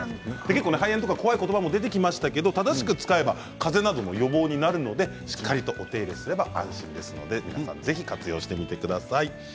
結構肺炎とか怖い言葉も出てきましたが、正しく使えばかぜなどの予防になるのでしっかりとお手入れすれば安心ですのでぜひ、これから活用してみてください。